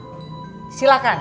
ibu sama bapak becengek